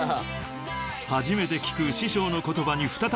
［初めて聞く師匠の言葉に再び奮起］